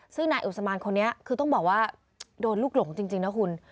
ซึ่งนายอุศมานคนนี้คือต้องบอกว่าโดนลูกหลงจริงนะคุณ